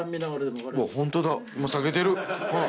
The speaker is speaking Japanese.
うわホントだもう割けてる。